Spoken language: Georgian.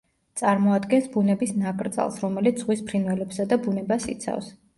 წარმოადგენს ბუნების ნაკრძალს, რომელიც ზღვის ფრინველებსა და ბუნებას იცავს.